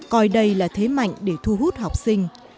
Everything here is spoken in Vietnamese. coi đây là thế mạnh để thu hút học sinh